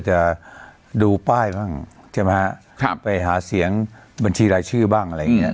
จะมาไปหาเสียงบัญชีรายชื่อบ้าง